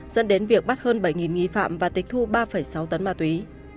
dẫn đến việc bắt hơn bảy nghi phạm và tịch thu ba sáu tấn ma túy